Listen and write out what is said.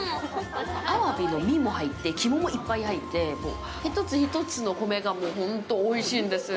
アワビの身も入って肝もいっぱい入って一つ一つの米が本当おいしいんです。